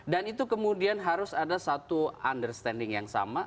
dan itu kemudian harus ada satu understanding yang sama